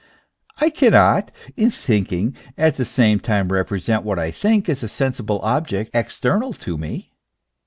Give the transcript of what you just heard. I cannot, in thinking, at the same time represent what I think as a sensible object, external to me.